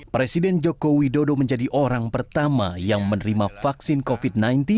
presiden joko widodo menjadi orang pertama yang menerima vaksin covid sembilan belas